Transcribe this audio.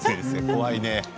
怖いね。